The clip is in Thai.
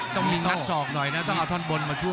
ต้องมีงัดศอกหน่อยนะต้องเอาท่อนบนมาช่วย